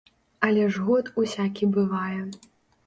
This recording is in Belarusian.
Але ж год усякі бывае.